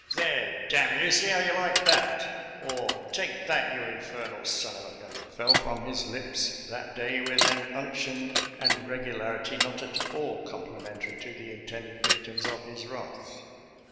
" There, d n you ! see how you like that," or " Take that, you infernal son of a gun !" fell from his lips that day with an unction and regularity not at all complimentary to the intended victims of his wrath.